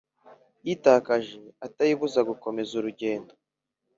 itakaje atayibuza gukomeza urugendo